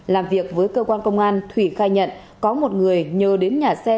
làm việc với cơ quan công an thủy khai nhận có một người nhờ đến nhà xe